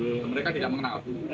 untuk transaksi mereka tidak mengenal